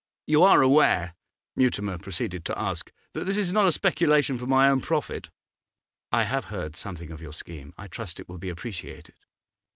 'You are aware,' Mutimer proceeded to ask, 'that this is not a speculation for my own profit?' 'I have heard something of your scheme. I trust it will be appreciated.